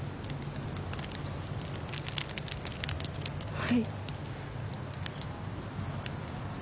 はい。